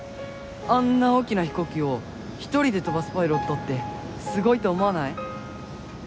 あんな大きな飛行機を一人で飛ばすパイロットってすごいと思わない？